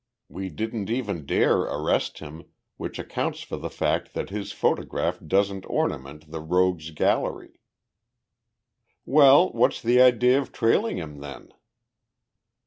We didn't even dare arrest him, which accounts for the fact that his photograph doesn't ornament the Rogues' Gallery." "Well, what's the idea of trailing him, then?"